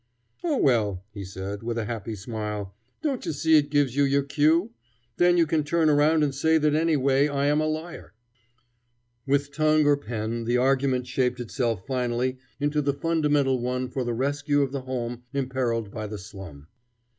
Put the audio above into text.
"Oh, well," he said, with a happy smile, "don't you see it gives you your cue. Then you can turn around and say that anyway I am a liar." With tongue or pen, the argument shaped itself finally into the fundamental one for the rescue of the home imperiled by the slum.